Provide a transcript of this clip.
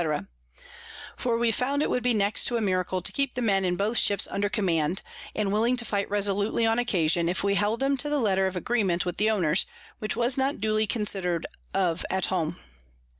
_ For we found it would be next to a miracle to keep the Men in both Ships under Command, and willing to fight resolutely on occasion, if we held 'em to the Letter of Agreement with the Owners, which was not duly consider'd of at home.